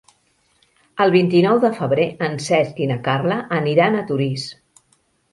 El vint-i-nou de febrer en Cesc i na Carla aniran a Torís.